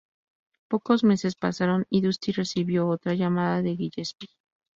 Pocos meses pasaron, y Dusty recibió otra llamada de Gillespie.